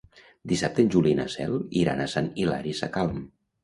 Dissabte en Juli i na Cel iran a Sant Hilari Sacalm.